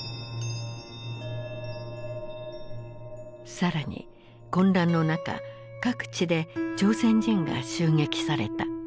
更に混乱の中各地で朝鮮人が襲撃された。